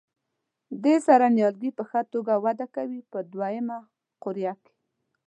دې سره نیالګي په ښه توګه وده کوي په دوه یمه قوریه کې.